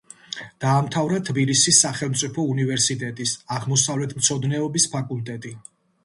დაამთავრა თბილისის სახელმწიფო უნივერსიტეტის აღმოსავლეთმცოდნეობის ფაკულტეტი.